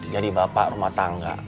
jadi bapak rumah tangga